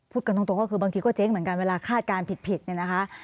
กันตรงก็คือบางทีก็เจ๊งเหมือนกันเวลาคาดการณ์ผิดเนี่ยนะคะ